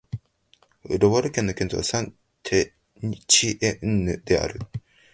ロワール県の県都はサン＝テチエンヌである